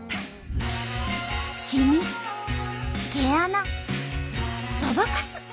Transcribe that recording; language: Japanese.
しみ毛穴そばかす。